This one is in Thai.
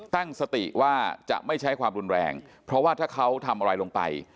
ตั้งสติว่าจะไม่ใช้ความรุนแรงเพราะว่าถ้าเขาทำอะไรลงไป